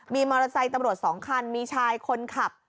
มีมอเตอร์ไซค์ตำรวจ๒คันมีชายคนขับ